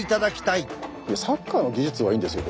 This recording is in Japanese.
いやサッカーの技術はいいんですよ